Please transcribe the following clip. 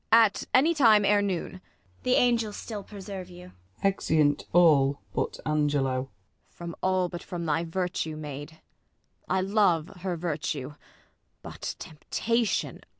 At any time ere noon. ISAB. The angels still preserve you ! [Exennt all hut Angelo. Ang. From all, but from thy virtue, maid ! I love her virtue. But, temptation